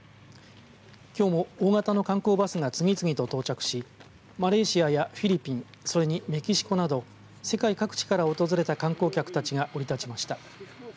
きょうも大型の観光バスが次々と到着しマレーシアやフィリピンそれにメキシコなど世界各地から訪れた観光客たちが降り立ちました。